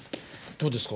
どうですか？